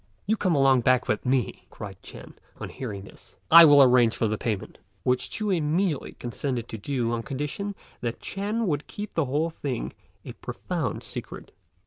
"You come along back with me," cried Ch'ên, on hearing this, "I will arrange for the payment," which Ch'u immediately consented to do on condition that Ch'ên would keep the whole thing a profound secret.